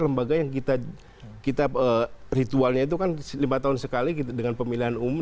lembaga yang kita ritualnya itu kan lima tahun sekali dengan pemilihan umum